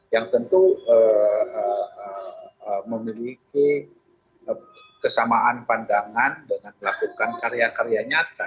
yang tentu memiliki kesamaan pandangan dengan melakukan karya karya nyata